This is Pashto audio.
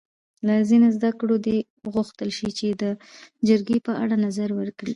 له ځینو زده کوونکو دې وغوښتل شي چې د جرګې په اړه نظر ورکړي.